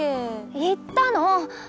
言ったの！